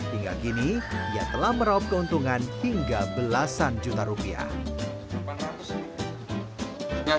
hingga kini ia telah meraup keuntungan hingga belasan juta rupiah